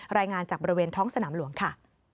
รายงานจากบริเวณท้องสนามหลวงค่ะ